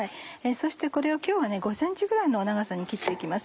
そしてこれを今日は５ｃｍぐらいの長さに切って行きます。